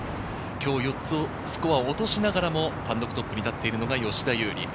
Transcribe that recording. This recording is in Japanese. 今日４つスコアを落としながらも、単独トップに立っているのが吉田優利。